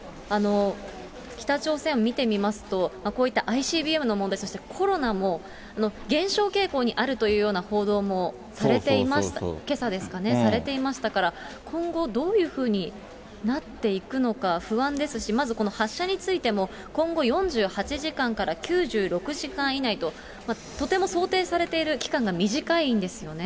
北朝鮮を見てみますと、こういったＩＣＢＭの問題、コロナも、減少傾向にあるというような報道もされていました、けさでしたかね、されていましたから、今後どういうふうになっていくのか不安ですし、まずこの発射についても、今後４８時間から９６時間以内と、とても想定されている期間が短いんですよね。